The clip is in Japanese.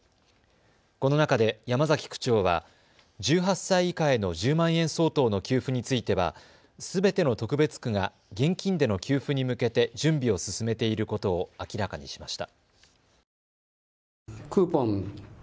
この中で山崎区長は１８歳以下への１０万円相当の給付についてはすべての特別区が現金での給付に向けて準備を進めていることを明らかにしました。